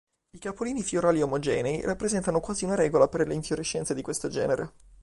I capolini fiorali omogenei rappresentano quasi una regola per le infiorescenze di questo genere.